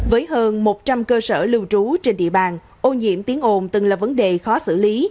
với hơn một trăm linh cơ sở lưu trú trên địa bàn ô nhiễm tiếng ồn từng là vấn đề khó xử lý